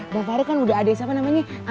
bapaknya kan udah ada siapa namanya